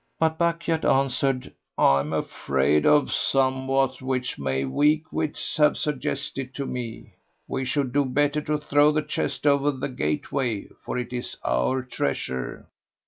But Bukhayt answered, "I am afraid of somewhat which my weak wits have suggested to me: we should do better to throw the chest over the gateway; for it is our treasure."